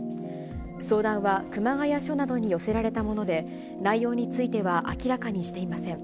相談は熊谷署などに寄せられたもので、内容については明らかにしていません。